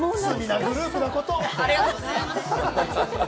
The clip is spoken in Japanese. ありがとうございます。